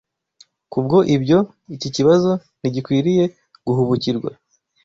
Kubwo ibyo, iki kibazo ntigikwiriye guhubukirwa